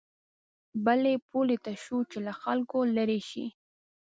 بلې پولې ته شو چې له خلکو لېرې شي.